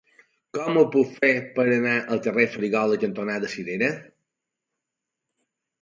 Com ho puc fer per anar al carrer Farigola cantonada Cirera?